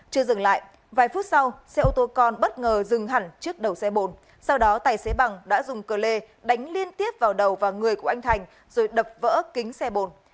chưa dừng lại vài phút sau xe ô tô con bất ngờ dừng hẳn trước đầu xe bồn sau đó tài xế bằng đã dùng cơ lê đánh liên tiếp vào đầu và người của anh thành rồi đập vỡ kính xe bồn